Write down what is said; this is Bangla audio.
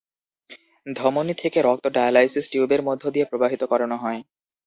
ধমনী থেকে রক্ত ডায়ালাইসিস টিউবের মধ্যে দিয়ে প্রবাহিত করানো হয়।